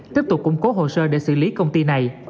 tiếp tục củng cố hồ sơ để xử lý công ty này